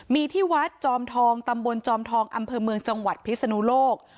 มีที่วัดจอมทองตำบลจอมทองอำเภอเมืองจังหวัดพิศนุโลก